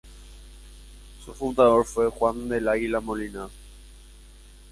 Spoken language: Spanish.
Su fundador fue Juan del Águila Molina.